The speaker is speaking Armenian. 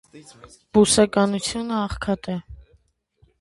Բուսականութիւնը աղքատ է։